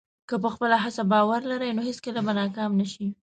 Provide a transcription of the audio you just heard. که په خپله هڅه باور لرې، نو هېڅکله به ناکام نه شې.